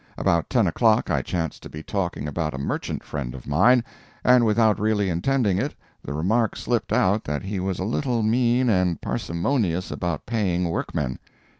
About ten o'clock I chanced to be talking about a merchant friend of mine, and without really intending it, the remark slipped out that he was a little mean and parsimonious about paying workmen.